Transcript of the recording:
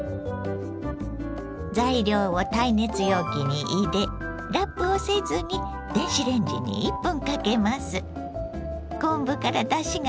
材料を耐熱容器に入れラップをせずに電子レンジに１分かけます。